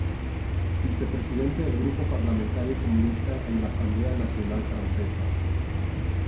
Vicepresidente del Grupo Parlamentario comunista en la Asamblea Nacional Francesa.